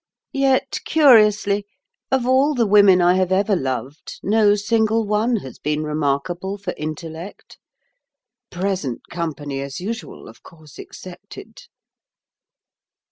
Yet, curiously, of all the women I have ever loved, no single one has been remarkable for intellect—present company, as usual, of course excepted."